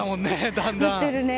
だんだん。